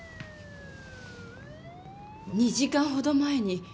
２時間ほど前にここに。